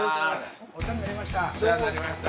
お世話になりました。